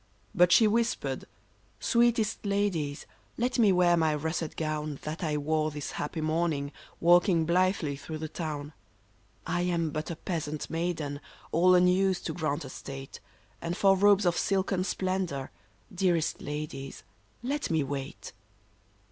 But she whispered, " Sweetest ladies, let me wear my russet gown. That I wore this happy morning walking blithely through the town. 158 RENA " I am but a peasant maiden, all unused to grand estate, And for robes of silken splendor, dearest ladies, let me wait